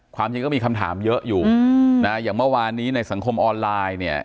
ความจริงก็มีคำถามเยอะอยู่นะอย่างเมื่อวานนี้ในสังคมออนไลน์เนี่ย